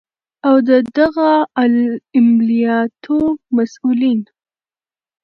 او د دغه عملیاتو مسؤلین